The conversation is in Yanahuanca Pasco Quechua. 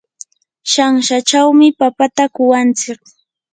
shanshachawmi papata kuwantsik.